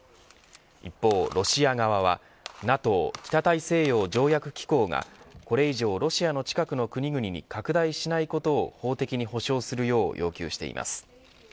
一方、ロシア側はＮＡＴＯ北大西洋条約機構がこれ以上、ロシアの近くの国々に拡大しないことを法的に保証するよう要求しています。